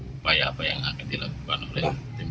upaya apa yang akan dilakukan oleh tim